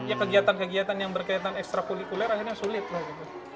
ya kegiatan kegiatan yang berkaitan ekstra kulikuler akhirnya sulit loh gitu